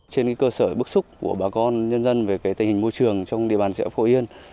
trên cơ sở bức xúc của bà con nhân dân về tình hình môi trường trong địa bàn dẻo phổ yên